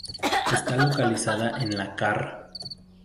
Está localizada en la carr.